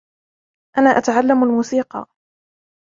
أنا أتعلم الموسيقى.